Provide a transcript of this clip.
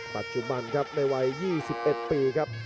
ปัจจุบันครับในวัย๒๑ปีครับ